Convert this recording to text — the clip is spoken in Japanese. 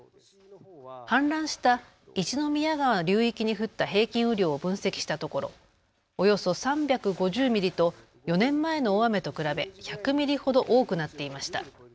氾濫した一宮川流域に降った平均雨量を分析したところ、およそ３５０ミリと４年前の大雨と比べ１００ミリほど多くなっていました。